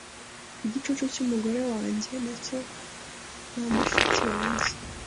Igicucu cyumugore wanjye nacyo na mushiki wanjye